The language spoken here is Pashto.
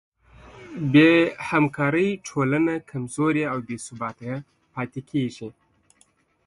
بېهمکارۍ ټولنه کمزورې او بېثباته پاتې کېږي.